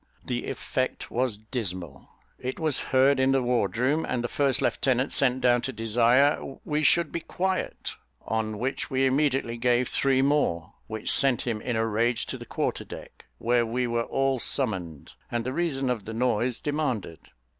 The effect was dismal; it was heard in the ward room, and the first lieutenant sent down to desire we should be quiet; on which we immediately gave three more, which sent him in a rage to the quarter deck, where we were all summoned, and the reason of the noise demanded.